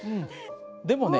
でもね